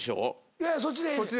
いやそっちでええ。